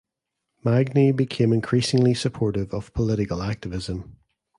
Magny became increasingly supportive of political activism.